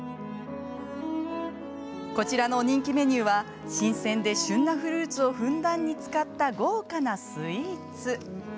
こちらの人気メニューは新鮮で旬なフルーツをふんだんに使った豪華なスイーツ。